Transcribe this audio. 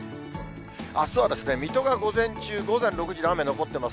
あすは水戸が午前中、午前６時に雨残ってます。